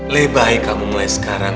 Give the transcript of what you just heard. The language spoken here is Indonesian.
lebahi kamu mulai sekarang